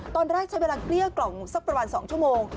ตอนแรกใช้เวลาเกลี้ยกล่อมสักประมาณ๒ชั่วโมง